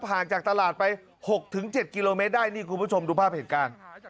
ห่างจากตลาดไป๖๗กิโลเมตรได้นี่คุณผู้ชมดูภาพเหตุการณ์